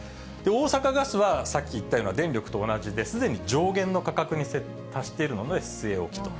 大阪ガスはさっき言ったような、電力と同じですでに上限の価格に達しているので据え置きと。